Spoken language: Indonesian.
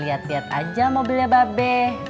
liat liat aja mobilnya babe